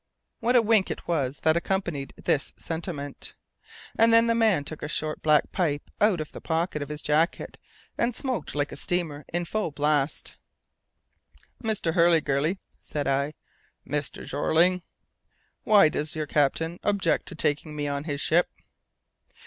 What a wink it was that accompanied this sentiment! And then the man took a short black pipe out of the pocket of his jacket, and smoked like a steamer in full blast. "Mr. Hurliguerly?" said I. "Mr. Jeorling." "Why does your captain object to taking me on his ship?"